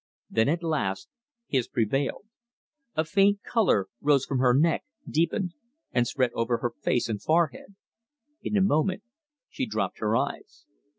Then at last his prevailed. A faint color rose from her neck, deepened, and spread over her face and forehead. In a moment she dropped her eyes.